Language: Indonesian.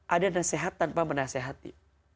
ada nasehat tanpa menasehati